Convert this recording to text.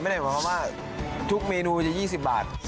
ไม่ได้บอกว่าทุกเมนูจะ๒๐บาท